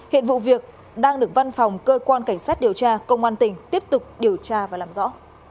hiện vụ việc đang được văn phòng cơ quan cảnh sát điều tra công an tỉnh tiếp tục điều tra và làm rõ